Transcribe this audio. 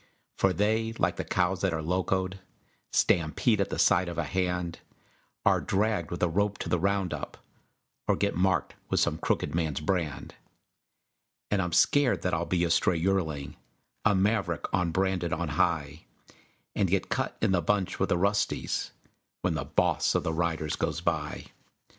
For they, like the cows that are locoed, Stampede at the sight of a hand, Are dragged with a rope to the round up, Or get marked with some crooked man's brand. And I'm scared that I'll be a stray yearling, A maverick, unbranded on high, And get cut in the bunch with the "rusties" When the Boss of the Riders goes by.